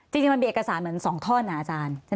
จริงมันมีเอกสารเหมือน๒ท่อนนะอาจารย์